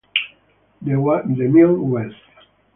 The Mild West